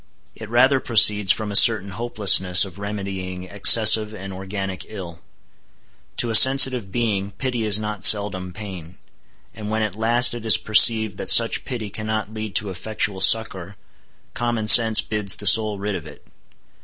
It rather proceeds from a certain hopelessness of remedying excessive and organic ill. To a sensitive being, pity is not seldom pain. And when at last it is perceived that such pity cannot lead to effectual succor, common sense bids the soul rid of it.